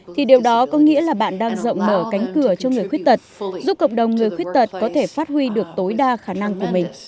thì điều đó có nghĩa là bạn đang rộng mở cánh cửa cho người khuyết tật giúp cộng đồng người khuyết tật có thể phát huy được tối đa khả năng của mình